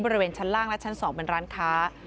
บริเวณชั้นล่างและชั้น๒เป็นร้านค้า